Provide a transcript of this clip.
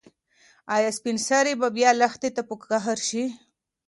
ایا سپین سرې به بیا لښتې ته په قهر شي؟